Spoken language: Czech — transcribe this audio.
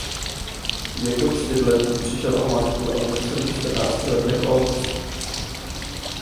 Jako čtyřletý přišel o matku a v necelých čtrnácti letech o otce.